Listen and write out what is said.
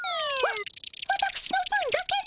わわたくしの分だけない？